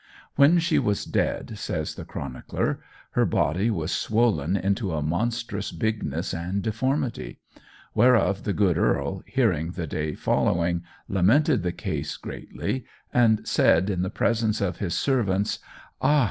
"When she was dead," says the chronicler, "her body was swollen into a monstrous bigness and deformity; whereof the good earl, hearing the day following, lamented the case greatly, and said in the presence of his servants, 'Ah!